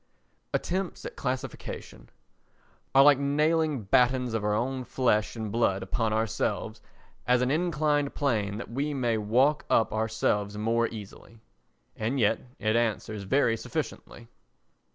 Attempts at Classification are like nailing battens of our own flesh and blood upon ourselves as an inclined plane that we may walk up ourselves more easily; and yet it answers very sufficiently.